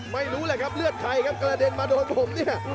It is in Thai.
ไม่รู้แหละครับเลือดใครครับกระเด็นมาโดนผมเนี่ย